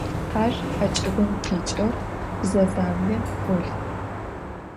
Ар ӏэкӏыбым къикӏыгъ, бзэ заули ӏулъ.